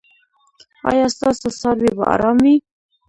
ایا ستاسو څاروي به ارام وي؟